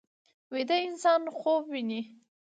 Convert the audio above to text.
ویده انسان خوب ویني